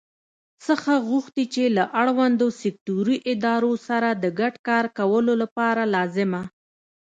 څخه غوښتي چې له اړوندو سکټوري ادارو سره د ګډ کار کولو لپاره لازمه